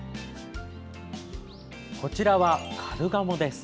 こちらはカルガモです。